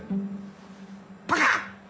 バカ！